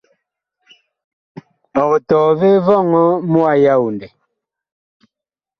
Ɔg tɔɔ vee vɔŋɔ mu a yaodɛ ?́.